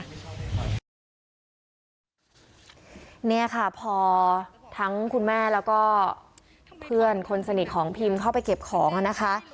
เนี่ยค่ะพอทั้งคุณแม่แล้วก็เพื่อนคนสนิทของพิมเข้าไปเก็บของนะคะ